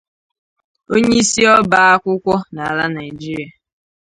onyeisi ọba akwụkwọ n'ala Nigeria